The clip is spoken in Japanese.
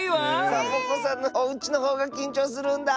「サボ子さんのおうち」のほうがきんちょうするんだ。